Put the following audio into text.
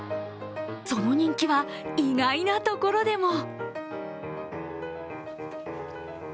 その人気は意外なところでも！